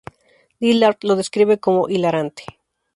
Dillard lo describe como "hilarante".